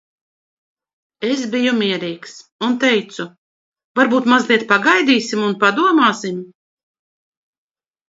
Es biju mierīgs. Un teicu, "Varbūt mazliet pagaidīsim un padomāsim?